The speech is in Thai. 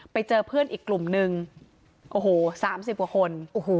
ไปเจอเพื่อนอีกกลุ่มนึงโอ้โห๓๐กว่าคนโอ้โห